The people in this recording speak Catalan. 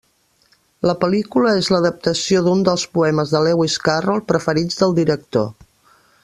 La pel·lícula és l'adaptació d'un dels poemes de Lewis Carroll preferits del director.